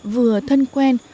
vừa thân quen